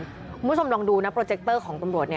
คุณผู้ชมลองดูนะโปรเจคเตอร์ของตำรวจ